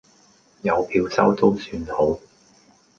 有票收都算好